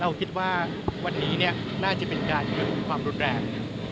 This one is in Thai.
คิดว่าวันนี้น่าจะเป็นการเพิ่มความรุนแรง